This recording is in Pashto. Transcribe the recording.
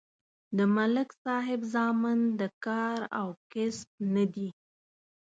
د ملک صاحب زامن د کار او کسب نه دي